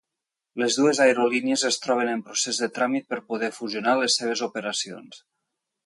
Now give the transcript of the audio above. Les dues aerolínies es troben en procés de tràmit per poder fusionar les seves operacions.